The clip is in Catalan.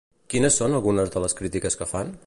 Quines són algunes de les crítiques que fan?